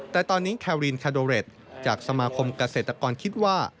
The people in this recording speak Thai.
แต่ตอนนี้แครินคาโดเรตจากสมาคมเกษตรกรคิดว่า